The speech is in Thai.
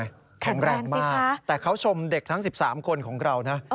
แข็งแรงสิคะแข็งแรงมากแต่เขาชมเด็กทั้ง๑๓คนของเรานะ